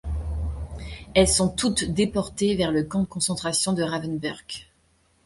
Elles sont toutes déportées vers le camp de concentration de Ravensbrück.